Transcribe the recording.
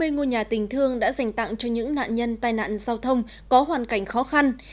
năm mươi ngôi nhà tình thương đã dành tặng cho những nạn nhân tai nạn giao thông có hoàn cảnh khó khăn